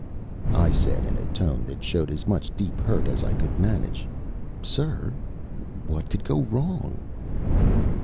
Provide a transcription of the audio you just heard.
I said, in a tone that showed as much deep hurt as I could manage: "Sir, what could go wrong?"